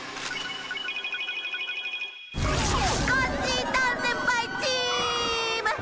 「コッシー・ダンせんぱい」チーム！